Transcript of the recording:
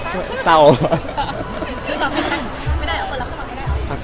เก้านะจะมักไหมนะ